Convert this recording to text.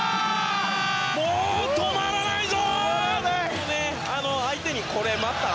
もう止まらないぞ！